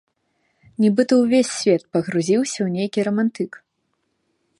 Нібыта ўвесь свет пагрузіўся ў нейкі рамантык.